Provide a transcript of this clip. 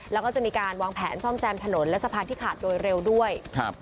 แล้วก็จะมีการวางแผนซ่อมแซมถนนและสะพานที่ขาดโดยเร็วด้วยครับ